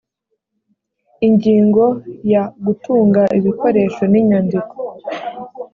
ingingo ya gutunga ibikoresho n inyandiko